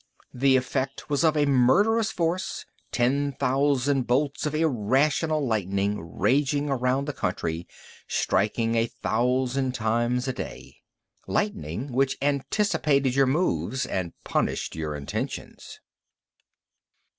The effect was of a murderous force, ten thousand bolts of irrational lightning raging around the country, striking a thousand times a day. Lightning which anticipated your moves and punished your intentions.